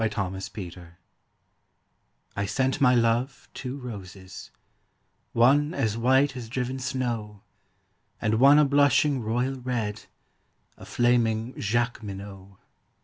The White Flag I sent my love two roses, one As white as driven snow, And one a blushing royal red, A flaming Jacqueminot.